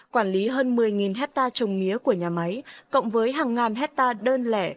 quản lý hơn một mươi hectare trồng mía của nhà máy cộng với hàng ngàn hectare đơn lẻ